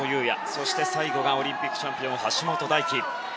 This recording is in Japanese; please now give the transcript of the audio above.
そして最後がオリンピックチャンピオンの橋本大輝。